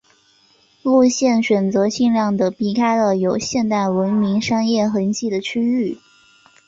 路线选择尽量的避开了有现代文明商业痕迹的区域。